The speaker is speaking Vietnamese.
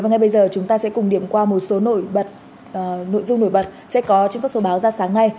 và ngay bây giờ chúng ta sẽ cùng điểm qua một số nội dung nổi bật sẽ có trên các số báo ra sáng ngay